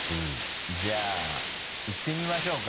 じゃあいってみましょうか。